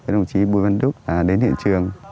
đồng chí bùi văn đúc đến hiện trường